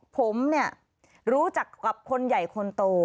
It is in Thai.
ผมเนี่ยรู้จักกับคนใหญ่คนโต